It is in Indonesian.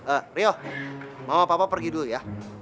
eh rio mama papa pergi dulu ya